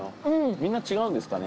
みんな違うんですかね？